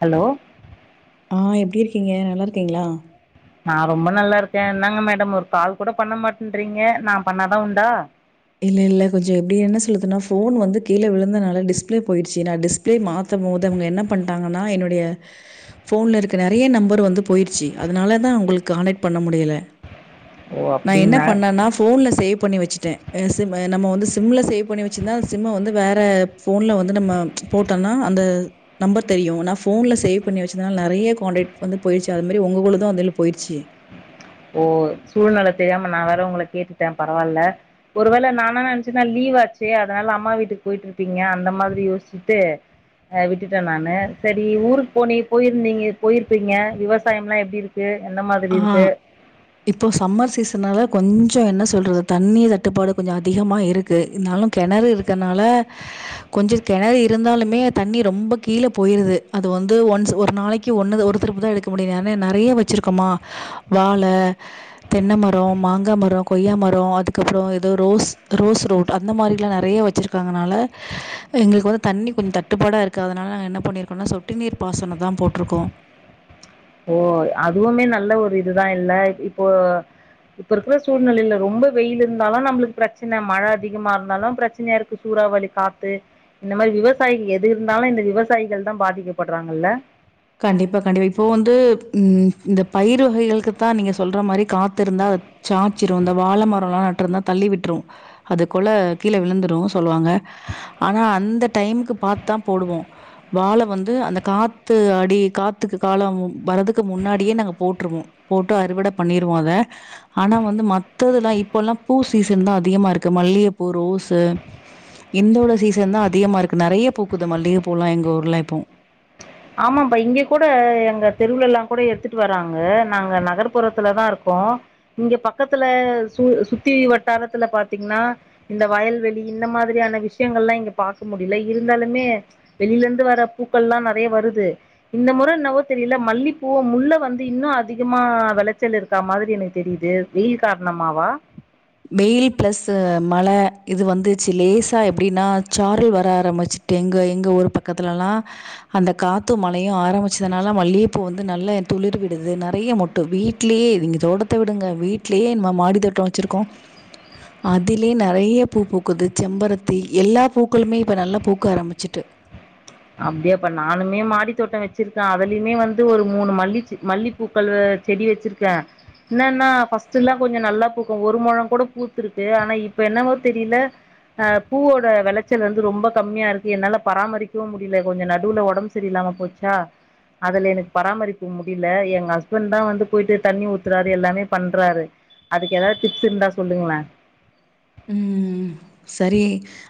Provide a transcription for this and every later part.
hello ஆ எப்டி இருக்கிங்க நல்லா இருக்கிங்ளா நா ரொம்ப நல்லாருக்கே என்னங்க மேடம் ஒரு கால் கூட பண்ண மாட்டன்றிங்க நா பண்ணாதா உண்டா இல்ல இல்ல கொஞ்ச எப்டி என்ன சொல்றதுனா ஃபோன் வந்து கீழ விழுந்தனால டிஸ்ப்ளே போயிடுச்சு நா டிஸ்ப்ளே மாத்தனு அது அவுங்க என்ன பண்ட்டாங்கனா என்னுடைய ஃபோன்ல இருக்க நறைய நம்பர் வந்து போயிருச்சு அதனால தா உங்களுக்கு காண்டெக்ட் பண்ண முடியல ஓ நா என்ன அப்படிங்களா பண்ணனா ஃபோன்ல சேவ் பண்ணி வச்சுட்டே சிம் நம்ம வந்து சிம்ல சேவ் பண்ணி வச்சிருந்தா அந்த சிம்ம வந்து வேற ஃபோன்ல வந்து நம்ம போட்டொனா அந்த த நம்பர் தெரியு நா ஃபோன்ல சேவ் பண்ணி வச்சதுனால நறைய காண்டக்ட் வந்து போயிருச்சு அது மாரி உங்குளுது அது போயிருச்சு ஓ சூழ்நிலை தெரியாம நா வேற உங்கள கேட்டுட்டே பரவால்ல ஒரு வேள நா என்ன நெனச்சேன்னா லீவ் ஆச்சே அதனால அம்மா வீட்டுக்கு போயிட்டு இருப்பீங்க அந்த மாரி யோசிச்சிட்டு எ விட்டுட்ட நானு செரி ஊருக்கு போனி போயிருந்தீங்க போயிருப்பீங்க விவசாயம் எல்லா எப்டி இருக்கு என்ன மாதிரி ஆ இருக்கு இப்போ சம்மர் சீசனால கொஞ்சோ என்ன சொல்றது தண்ணீர் தட்டுப்பாடு கொஞ்சோ அதிகமா இருக்கு இருந்தாலு கிணறு இருக்கனால கொஞ்சோ கிணறு இருந்தாலுமே தண்ணி ரொம்ப கீழ போயிருது அது து வந்து ஒன்ஸ் ஒரு நாளைக்கு ஒன்னு ஒரு திருப்புதா எடுக்க முடியு ஏனா நெறயா வெச்சிருக்கோமா வாழ தென்ன மரோ, மாங்கா மரோ, கொய்யா மரோ, அதுக்கப்றோ எதோ ரோஸ் ரோஸ் ரோட் அந்த மாரில்லா நெறயா வெச்சிருக்கங்கனால எங்களுக்கு வந்து தண்ணி கொஞ்சோ தட்டுப்பாடா இருக்கறதுனால நா என்ன பண்ணிருக்கோனா சொட்டு நீர் பா சொன்னதா போட்டிருக்கோ ஓ அதுவுமே நல்ல ஒரு இதுதா இல்ல இப்போ இப்ப இருக்கிற சூழ்நிலைல ரொம்போ வெயில் இருந்தாலு நம்மளுக்கு பிரச்சன மழை அதிகமா இருந்தாலும் பிரச்சனயா இருக்கு சூ றாவளி காத்து இந்த மாரி விவசாயி எது இருந்தாலு இந்த விவசாயிகள்தா பாதிக்கப்படறாங்கல்ல கண்டிப்பா கண்டிப்பா இப்போ வந்து ம் இந்த பயிர் வகைகளுக்குதா நீங்க சொல்ற மாரி காத்திருந்தா சாச்சிரு இந்த வாழமரொல்லா நட்டிருந்தா தள்ளி விட்டுரு அது கொல கீழ விழுந்துரு சொல்லுவாங்க ஆனா அந்த டைமுக்கு பாத்துதா போடுவோ வாழ வந்து அந்த காத் து அடி காத்துக்கு காலோம் வர்ரதுக்கு முன்னாடியே நாங்க போட்டுருவோ போட்டு அறுவடை பண்ணிருவோ அத ஆனா வந்து மத்ததுல இப்பெல்லா பூ சீசன்தா அதிகமா இருக்கு மல்லிகைப்பூ, ரோஸு இந்தோட சீசன்தா அதிகமா இருக்கு நெறயா பூக்குது மல்லிகை பூ எல்லா எங்க ஊர்ல இப்போ ஆமான்ப்பா இங்கே கூட எங்க தெருவுல எல்லா கூட எடுத்துட்டு வராங்க நாங்க நகர்புறத்திலதா இருக்கோ இங்க பக்கத்துல சு சுத்தி வட்டாரத்துல பாத்தீங்னா இந்த வயல்வெளி இந்த மா திரியான விஷ்யங்க எல்லா இங்க பாக்க முடில இருந்தாலுமே வெளில இருந்து வர பூக்கள்ல்லா அப்டியே வருது இந்த முற என்னவோ தெரில மல்லிப்பூ, முள்ள வந்து இன்னு அதிகமா விளைச்சல் இருக்க மாதிரி எனக்கு தெரியுது வெயில் காரணமாவா வெயில் பிளஸ் மழை இது வந்துச்சு லேசா எப்டினா சாரல் வர ஆரம்பிச்சு ங்க எங்க ஊர் பக்கத்துல எல்லா அந்த காத்து மலையு ஆரம்பிச்சதுனால மல்லியப்பூ வந்து அது நல்லா துளிர்விடுது நெறயா மொட்டு வீட்லயே நீங்க தோடத்த விடுங்க வீட்லயே நம்ம மாடி தோட்டோ வெச்சிருக்கோ அதிலயே நெறய பூ பூக்குது செம்பரத்தி எல்லா பூக்களுமே இப்ப நல்லா பூக்க ஆரம்பிச்சிட்டு அப்டியாப்பா நானுமே மாடித்தோட்டோ வெச்சிருக்கே அதிலயுமே வந்து ஒரு மூணு மல்லிச் மல்லிப்பூக்கள் செடி வெச்சிருக்கே என்னனா ஃபர்ஸ்ட் எல்லா கொஞ்சோ நல்லா பூக்கு ஒரு மொழொங் கூட பூத்து இருக்கு ஆனா இப்ப என்னவோ தெரில அ பூவோட வெளச்சல் வந்து ரொம்ப கம்மியா இருக்கு என்னால பராமரி க்க முடில கொஞ்சோ நடுவுல ஒடம்பு சரியில்லாம போச்சா அதுல எனக்கு பராமரிப்பு முடில எ ஹஸ்பண்ட்தா வந்து போயிட்டு தண்ணி ஊத்துறாரு எல்லாமே பண்றாரு அதுக்கு எதாவது டிப்ஸ் இருந்தா சொல்லுங்களே ம் சரி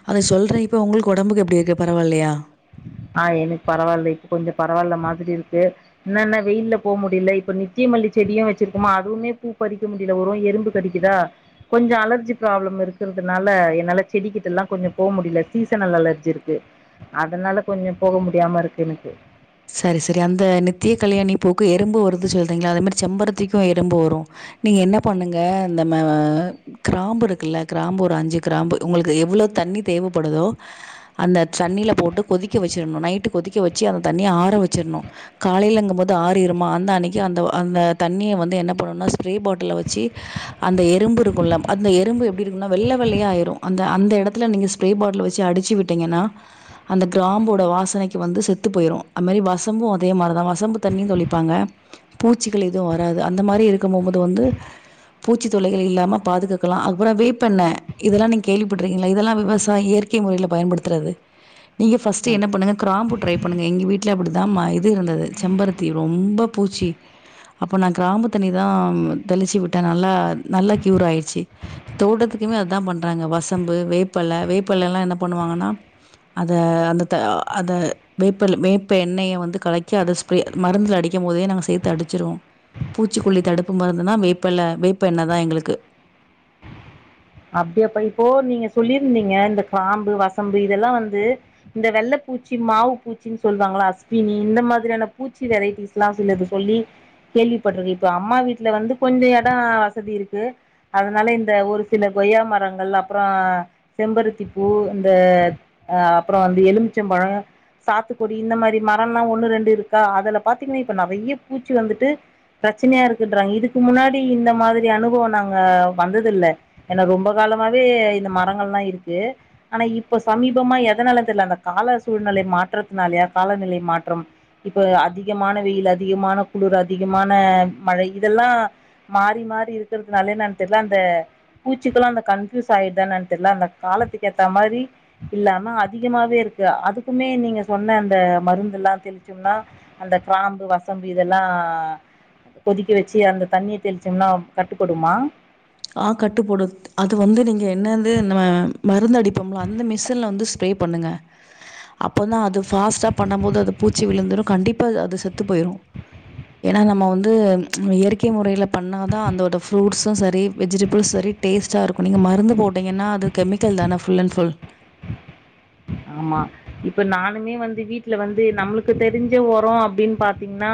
அத சொல்றே இப்ப உங்களுக்கு ஒடம்புக்கு எப்டி இருக்கு பரவாயில்லயா ஆ எனக்கு பரவாயில்ல இப்ப கொஞ்சோ பரவாயில்ல மாதிரி இருக்கு என்னனா வெய்ல்ல போ முடில இப்ப நித்திய மல்லி செடியு வெச்சிருக்கோமா அதுவுமே பூ பறிக்க முடில வெறு எறும்பு கடிக்குதா கொஞ்சோ அலர்ஜி ப்ராப்ளம் இருக்கறதுனால என்னால செடிகிட்டல்லா கொஞ்சோ போ முடில சீசனல் அலர்ஜி இருக்கு அதனால கொஞ்சோ போக முடியாம இருக்கு எனக்கு சரி சரி அந்த நித்திய கல்யாணி பூக்கு எறும்பு வருது சொல்றீங்கள்ள அதே மாரி செம்பருத்திக்கு எறும்பு வரு நீங்க என்ன பண்ணுங்க இந்த ம கிராம்பு இருக்கல்ல கிராம்பு ஒரு அஞ்சு கிராம்பு உங்களுக்கு எவ்ளோ தண்ணி தேவபடுதோ அந்த தண்ணில போட்டு கொதிக்க வெச்சிரணு நைட்டு கொதிக்க வெச்சு தண்ணிய ஆற வெச்சிறணு காலைலங்கும்போது ஆறிருமா அந்த அன்னைக்கு அந்த அந்த தண்ணிய வந்து என்ன பண்ணணுனா ஸ்ப்ரே பாட்டில்ல வெச்சு அந்த எறும்பு இருக்குல்ல அந்த எறும்பு எப்டி இருக்குன்னா வெள்ள வெள்ளயா ஆயிரு அந்த அந் ந்த எடத்துல நீங்க ஸ்ப்ரே பாட்டில்ல வெச்சு அடிச்சு விட்டீங்கனா அந்த கிராம்போட வாசனைக்கு வந்து செ த்து போயிரு அம்மாரி வசம்பு அதே மாரிதா வசம்பு தண்ணியு தொளிப்பாங்க பூச்சிகள் எதுவு வராது அந்த மாரி இருக்கு போம்போது வந்து பூச்சி தொல்லைகள் இல்லாம பாதுகாக்கலா அப்றோ வேப்பெண்ண இதெலா நீங் கேள்விப்பட்ருக்கீங்கலா இதெலா விவசாயே இயற்கை முறையில பயன்படுத்துறது நீங்க பஃஸ்ட் என்ன பண்ணுங்க கிராம்பு ட்ரை பண்ணுங்க எங்க வீட்ல அப்டிதா மா இது இருந்துது செம்பருத்தி ரொம்ப பூச்சி அப்ப நா கிராம்பு தண் ணி தாம் தெளிச்சு விட்டே நல்லா நல்லா கியூர் ஆயிட்ச்சு தோட்டத்துகுமே அத் தா பண்றாங்க வ வசம்பு வேப்பல வேப்பலலா என்ன பண்ணுவாங்கனா அத அந்த அத வேப்பல வேப்ப எண்ணெய வந்து கலக்கி அத ஸ்ப்ரே மருந்துல அடிக்குபோதே நாங்க சேத்து அடிச்சிருவோ பூச்சிகொல்லி தடுப்பு மருந்துனா வேப்பல வேப்ப எண்ணெ தா எங்களுக்கு அப்டியாப்பா இப்போ நீங்க சொல்லிருந்தீங்க இந்த கிராம்பு வசம்பு இதெல்லா வந்து இந்த வெள்ள பூச்சி மாவு பூச்சின் சொல்லுவாங்கள அஸ்வினி இந்த மாதிரியான பூச்சி வெரைட்டிஸ்லா சிலது சொல்லி கேள்விபட்டிருக்க இப்போ அம்மா வீட்ல வந்து கொஞ்ச எடோ வசதி இருக்கு அதனால இந்த ஒரு சில கொய்யா மரங்கள் அப்றோ செம்பருத்தி பூ இந்த அப்றோ வந்து எலுமி மிச்சம் பழோ சாத்துகொடி இந்த மாரி மரல்லா ஒன்னு ரெண்டு இருக்கா அதுல பாத்தீங்னே இப்ப நெறய பூச்சி வந்துட்டு பிரச்சனையா இருக்குன்றாங் இதுக்கு முன்னாடி இந்த மாதிரி அனுபவ நாங்க வந்ததுல்ல ஏனா ரொம்ப காலமாவே இந்த மரங்கள்லா இருக்கு ஆனா இப்ப சமீபமா எதனால தெர்ல அந்த கால சூழ்நெலை மாற்றத்னாலயா காலநிலை மாற்றம் இப்ப அதிகமான வெயில் அதிகமான குளுர் அதிகமான மழை இதெல்லா மாறி மாறி இருக்கறதுனாலயா என்னன் தெர்ல அந்த பூச்சிகளு அந்த கன்ஃயூஸ் ஆயிடுதா என்னன் தெர்ல அந்த காலத்துக் ஏத்த மாரி இல்லாம அதிகமாவே இருக்கு அதுக்குமே நீங்க சொன்ன அந்த மருந்துலா தெளிச்சம்னா அந்த கிராம்பு வசம்பு இதெல்லா கொதிக்க வச்சு அந்த தண்ணி தெளிச்சம்னா கட்டு படுமா ஆ கட்டுப்படுத் அது வந்து நீங்க என்னது ம மருந்து அடிபம்ல அந்த மிசின்ல வந்து ஸ் ப்ரே பண்ணுங்க அப்பந்தா அது ஃபாஸ்டா பண்ணம்போது அது பூச்சி விழுந்துரு கண்டிப்பா அது அது செத்து போயிரு ஏனா நம்ம வந்து இயற்கை முறைல பண்ணா தா அந்தத ஃப்ரூட்ஸு சரி வெஜிடபிள்ஸ் வரி டேஸ்ட்டா இருக்கு நீங்க மருந்து போட்டீங்கன்னா அது கெமிக்கல் தான ஃபுல் அண் ஃபுல் ஆமா இப்ப நானுமே வந்து வீட்ல வந்து நம்புளுக்கு தெரிஞ்ச ஒரோ அப்டின் பாத்தீங்னா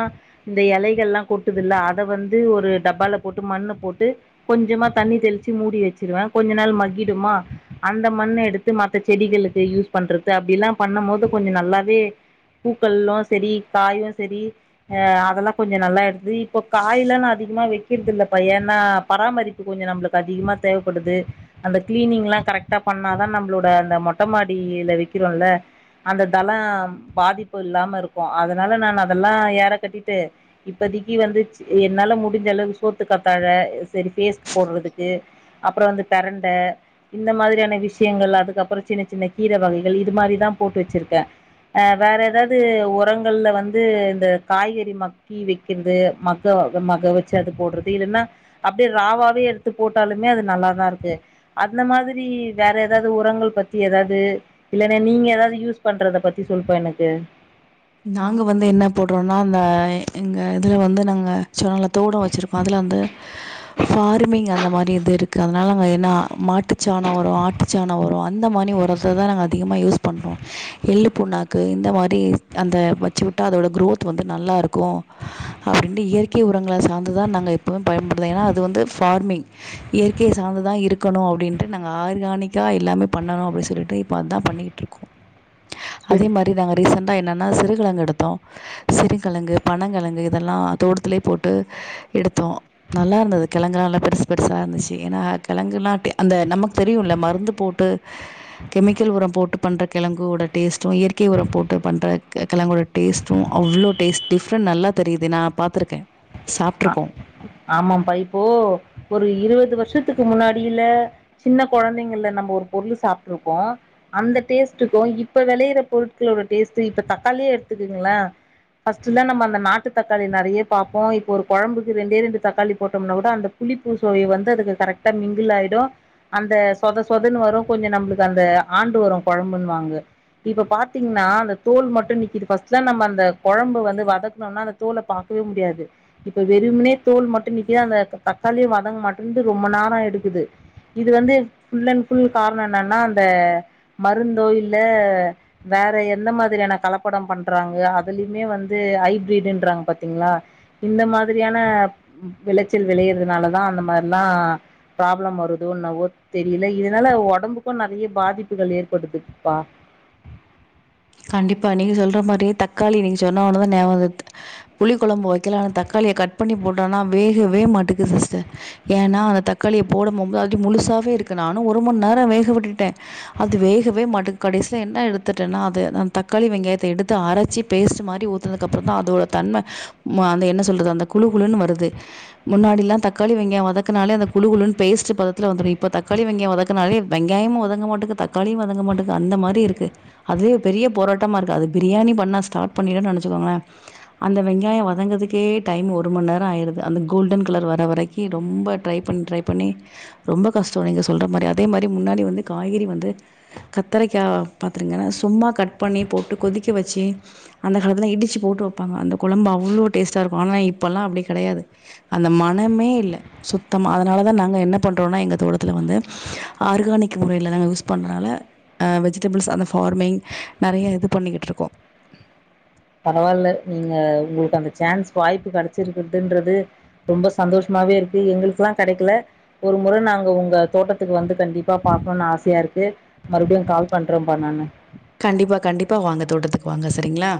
இந்த எலைகள்ல கொட்டுதில்ல அதவந்து ஒரு டப்பால போட்டு மண்ணு போட்டு கொஞ்சமா தண் ணி தெளிச்சு மூடி வச்சிருவே கொஞ்ச நாள் மக்கிடுமா அந்த மண் எடுத்து மத்த செடிகளுக்கு யூஸ் பண்றது அப்டில்லா பண்ணபோது கொஞ்ச நல்லாவே பூக்கள்லா செரி காயு செரி அ அதெல்லா கொஞ்ச நல்லா எடுது இப்போ காய்லா நா அதி கமா வெக்கிறதில்லபா ஏனா பராமரிப்பு கொஞ்ச நம்மளுக்கு அதிகமா தேவப்படுது அந்த கிளீனிங்லா கரக்டா பண்ணாதா நம்ளோட அந்த மொட்டமாடியில வெக்கிறோல்ல அந்த தளோ பாதிப்பு இல்லாம இருக்கு அதனால நான் அதெல்லா ஏற கட்டிட்டு இப்ப செடிக்கி வந்துச் என்னால முடிஞ்சளவு சோத்து கத்தாழ செரி ஃபேஸ்க் போட்றதுக்கு அப்றோ வந்து பிரண்ட இந்த மாதிரியான விஷயங்கள் அதுக்கப்பறோ சின்ன சின்ன கீர வகைகள் இது மாரிதா போட்டு வச்சிருக்கே அ வேற ஏதாது உரங்கள்ல வந்து இந்த காய்கறி மக்கி வெக்கிறது மக்கா மக வச்சு அது போட்றது இல்லைன்னா அப்டியே ராவாவே எடுத்து போட்டாலுமே அது நல்லாதா இருக்கு அந்த மாதிரி வேற எதாது உரங்கள் பத்தி எதா து இல்லன்னா நீங்க எதாது யூஸ் பண்றத பத்தி சொல்ப்பா எனக்கு நாங்க வந்து என்னா போட்றோனா அந்த எங்க இதுல வந்து நாங்க சில நல்ல தோடோ வச்சுருக்கோ அதில வந்து ஃபார்மிங் அந்த மாரி இது இருக்கு அதனால நா என்ன மாட்டு சாணோ வரு ஆட்டு சாணோ வரு அந்த மானி ஒரத்த தா நாங் அதிகமாக யூஸ் பண்ணுறோ எள்ளு புண்ணாக்கு இந்த மாரி அந்த வச்சுவுட்டா அதோட க்ரோத் வந்து நல்லா இருக்கு அப்டின்ட்டு இயற்கை உரங்கள சார்ந்துதா நாங்க எப்பவு பயன்படுது ஏனா அது வந்து ஃபார்மிங் இயற்கைய சார்ந்துதா இருக்கணு அப்டின்ட்டு நாங்க ஆர்கானிக் நிகா எல்லாமே பண்ணணு அப்படி சொல்லிட்டு இப்ப அதா பண்ணிக்கிட்டு இருக்கோ அதே ம் மாரி நாங்க ரீசன் டா என்னன்னா சிறுகெழங்கு எடுத்தோ சிறுகெழங்கு பனங்கெழங்கு இதல்லா தோட்டத்துலயே போட்டு எடுத்தோ நல்லா இருந்தது கெழங்குலா நல்லா பெருசு பெருசா இருந்துச்சு ஏன்னா கெழங்குலா டே அந்த நமக்கு தெரியுல மருந்து போட்டு கெமிக்கல் உரம் போட்டு பண்ற கெழங்கோட டேஸ்டு இயற்கை உரம் போட் பண்ற கெழங்கோட டேஸ்ட்டு அவ்ளோ டேஸ்ட் டிஃப்ரெண்ட் நல்லா தெரியுது நா பாத்திருக்கே சாப்ட்டுருக்கோ ஆமா பா இப்போ ஒரு இருவது வருஷத் துக்கு முன்னாடியில சின்ன கொழந்தைங்கல நம்ம ஒரு பொருளு சாப்ட்டு இருப்போ அந்த டேஸ்டுக்கு இப்ப வெளையற பொருட்களோட டேஸ்டு இப்ப தக்காளியே எடுத்துக்குங்கள ஃபஸ்டுந்த நம்ம அந்த நாட்டு தக்காளி நெறய பாப்போ இப்ப ஒரு கொழம்புக்கு ரெண்டே ரெண்டு தக்காளி போட்டோம்னா கூட அந்த புளிப்பு சொவைய் வந்து அதுக்கு கரெக்டா மிங்கிள் ஆயிடு அந்த சொத சொதன்னு வரு கொஞ்ச நம்மளுக்கு அந்த ஆண்டு வரும் கொழம்புன்னுவாங்க இப்ப பாத்தீங்ன்னா அந்த தோல் மட்டு நிக்கிது ஃபர்ஸ்ட்லா நம்ம அந்த கொழம்பு வந்து வதக்குணோனா அந்த தோல வே முடியாது இப்ப வெறும்னே தோல் மட்டு நிக்குது அந்த தக்காளியு வதங்க மாட்டாங்து ரொம்ப நேர எடுக்குது இது வந்து ஃபுல் அண்ட் ஃபுல் காரண என்னன்னா அந்த மருந்தோ இல்ல வே வேற எந்த மாதிரியான கலப்பட பண்றாங்க அதுலயுமே வந்து ஐபிரடுன்றாங்க பாத்தீங்களா இந்த மாதிரியான விளைச்சல் விளையறதுனாலதா அந்த மாரிலா ப்ராப்ளம் வருதோன்னவோ தெரியல இதனால ஒடம்புக்கு நெறைய பாதிப்புகள் ஏற்படுது பா கண்டிப்பா நீங்க சொல்ற மாரியே தக்காளி நீங்க சொன்ன உன தா நியாபக வருத் புளி கொழம்பு வைக்கலனா தக்காளி கட் பண்ணி போட்டனா வேகவே மாட்டக்கு சிஸ்டர் ஏன்னா அந்த தக்காளிய போட போம்ப அடி முழுசா இருக்கு நானும் ஒரு மணி நேர வேக விட்டுட்டே அது வேகவே மாட்டுக்கு கடைசில என்ன எடுத்துட்டன்ன அது தக்காளி வெங்காயத்த எடுத்து அரைச்சி பேஸ்ட் மாரி ஊத்துனதுக்கு அப்ற தான் அதோட தன்ம அந்த என்ன சொல்றது அந்த குழு குழுனு வருது முன்னாடில்லா தக்காளி வெங்காய வதக்குனாலே அந்த குழு குழுன் பேஸ்ட் பதத்துல வந்துரு இப்ப தக்காளி வெங்காயம் வதக்கனாலே வெங்காயமும் வதங்க மாட்டேக்கு தக்காளியும் வதங்க மாட்டேக்கு அந்த மாரி இருக்கு அதே பெரிய போராட்டமா இருக்கு அது பிரியாணி பண்ணா ஸ்டார்ட் பண்ணிவி நினச்சிக்கோங்களே அந்த வெங்காய வதங்கதுக்கே டைம் ஒரு மணி நேர ஆயிருது அந்த கோல்டன் கலர் வர வரைக்கி ரொம்ப ட்ரை பண்ணி ட்ரை பண்ணி ரொம்ப க ஸ்டோ நீங்க சொல்ற மாரி அதே மாரி முன்னாடி வந்து காய்கறி வந்து கத்தரைக்கா பாத்தீரிங்கன்ன சும்மா கட் பண்ணி போட்டு கொதிக்க வச்சு அந்த காலதா இடிச்சு போட்டு வப்பாங்க அந்த கொழம்பு அவ்ளோ டேஸ்ட்டா இருக்கு ஆனா இப்பெல்லா அப்டி கெடையாது அந்த மனமே இல்ல சுத்தமா அதனால தா நாங்க என்ன பண்றோம்னா எங்க தோடத் துல வந்து ஆர்கானிக் முறையில் நா யூஸ் பண்றனால வெஜிடபிள்ஸ் அந்த ஃபார்மிங் நெறய இது பண்ணிக்கிட்டு இருக்கோ பரவால்ல நீங்க உங்களுக்கு அந்த சான்ஸ் வாய்ப்பு கெடைச்சிருக்குதுன்றது ரொம்ப சந்தோஷமா மாவே இருக்கு எங்களுக்குல்லா கெடைக்கல ஒரு முறை நாங்க உங்க தோட்டத்துக்கு வந்து கண்டிப்பா பாக்கணும்னு ஆசையா இருக்கு கு மறுபடியு கால் பண்றம்பா நானு கண்டிப்பா கண்டிப்பா வாங்க தோட்டத்துக்கு வாங்க சரிங்களா